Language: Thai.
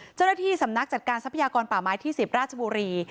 เจ้าหน้าที่สำนักจัดการทรัพยากรป่าไม้ที่๑๐ราชบุรี